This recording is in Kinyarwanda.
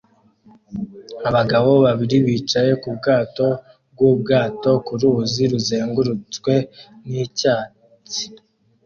Abagabo babiri bicaye ku bwato bw'ubwato ku ruzi ruzengurutswe n'icyatsi